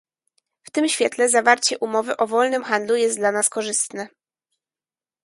W tym świetle zawarcie umowy o wolnym handlu jest dla nas korzystne